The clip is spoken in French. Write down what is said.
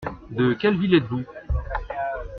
De quelle ville êtes-vous ?